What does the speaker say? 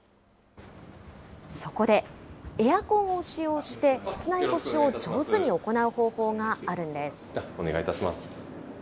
そこで、エアコンを使用して室内干しを上手に行う方法があるんです。